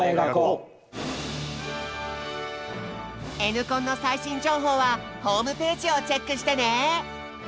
「Ｎコン」の最新情報はホームページをチェックしてね！